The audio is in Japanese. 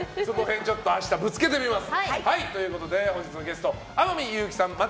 その辺、明日ぶつけてみます。